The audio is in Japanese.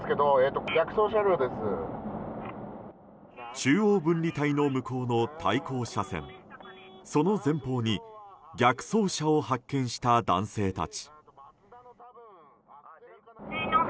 中央分離帯の向こうの対向車線その前方に逆走車を発見した男性たち。